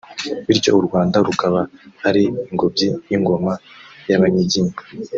bityo u Rwanda rukaba ari ingobyi y’ingoma y’Abanyiginya